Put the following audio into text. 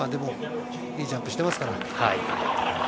いいジャンプしていますから。